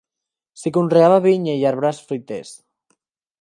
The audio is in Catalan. S'hi conreava vinya i arbres fruiters.